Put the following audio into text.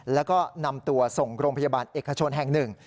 แล้วก็นำตัวส่งโรงพยาบาลเอกชนแห่งหนึ่ง